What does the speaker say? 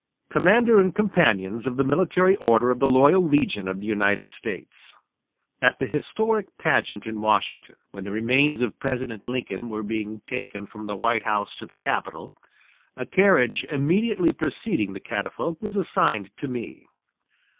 Commander and Companions of the Military Order of the Loyal Legion of the United States: At the historic pageant in Washington, when the remains of President Lincoln were being taken from the White House to the Capitol, a carriage immediately preceding the catafalque was assigned to me.